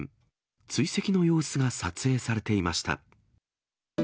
追跡の様子が撮影されていました。